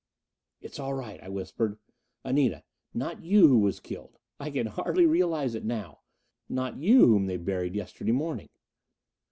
"It's all right," I whispered. "Anita not you who was killed! I can hardly realize it now. Not you whom they buried yesterday morning."